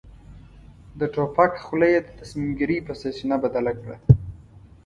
د توپک خوله يې د تصميم ګيرۍ په سرچينه بدله کړه.